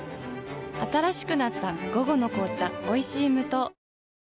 新しくなった「午後の紅茶おいしい無糖」